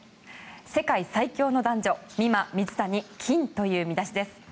世界最強の男女美誠・水谷、金という見出しです。